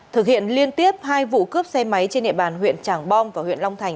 thực hiện liên tiếp hai vụ cướp xe máy trên địa bàn huyện trảng bom và huyện long thành